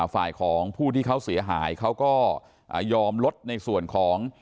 ฝ่ายของผู้ที่เขาเสียหายเขาก็ยอมลดในส่วนของ